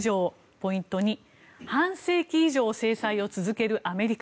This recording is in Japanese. ポイント２、半世紀以上制裁を続けるアメリカ。